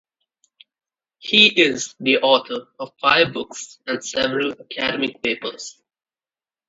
He is the author of five books and several academic papers.